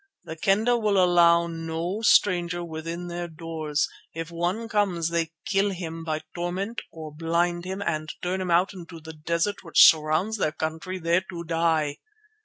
The Kendah will allow no stranger within their doors; if one comes they kill him by torment, or blind him and turn him out into the desert which surrounds their country, there to die.